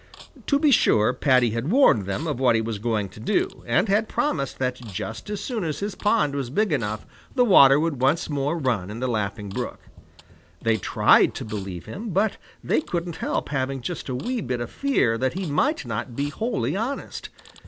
To be sure Paddy had warned them of what he was going to do, and had promised that just as soon as his pond was big enough, the water would once more run in the Laughing Brook. They tried to believe him, but they couldn't help having just a wee bit of fear that he might not be wholly honest.